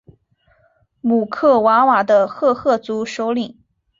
姆克瓦瓦的赫赫族首领。